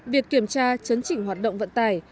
việc kiểm tra chấn chỉnh hoạt động vận tải